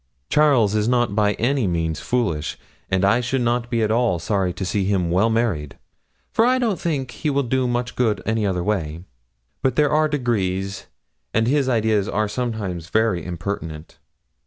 Charles is not by any means foolish; and I should not be at all sorry to see him well married, for I don't think he will do much good any other way; but there are degrees, and his ideas are sometimes very impertinent.'